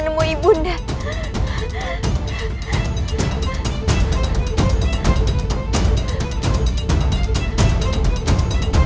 kembali terjadi kepadanya